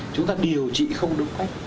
chúng ta điều trị không đúng cách